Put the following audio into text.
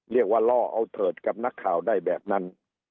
ล่อเอาเถิดกับนักข่าวได้แบบนั้น